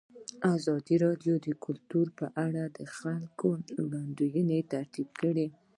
ازادي راډیو د کلتور په اړه د خلکو وړاندیزونه ترتیب کړي.